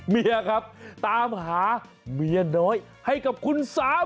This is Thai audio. เมียครับตามหาเมียน้อยให้กับคุณสาว